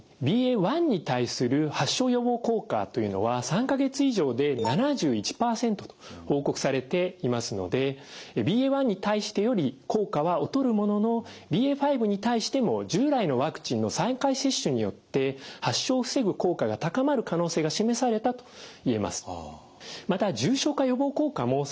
ＢＡ．１に対する発症予防効果というのは３か月以上で７１％と報告されていますのでＢＡ．１に対してより効果は劣るもののＢＡ．５に対しても従来のワクチンの３回接種によって発症を防ぐ効果が高まる可能性が示されたと言えます。